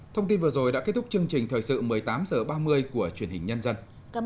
thông tin vừa rồi đã kết thúc chương trình thời sự một mươi tám h ba mươi của truyền hình nhân dân